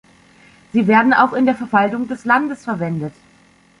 Sie werden auch in der Verwaltung des Landes verwendet.